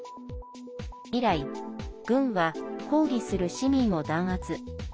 以来、軍は抗議する市民を弾圧。